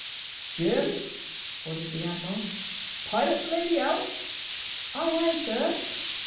"Jim," ordered the Admiral, "pilot the lady out." "Ay, ay, sir."